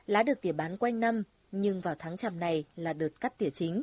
lá được tỉa bán quanh năm nhưng vào tháng trầm này là được cắt tỉa chính